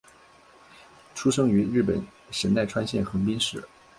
出生于日本神奈川县横滨市。